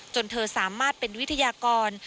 จนเธอสามารถเป็นวิทยากร